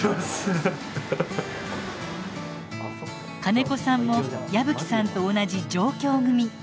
金子さんも矢吹さんと同じ上京組。